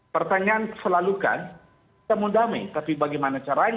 pertanyaan selalukan kita mudah tapi bagaimana caranya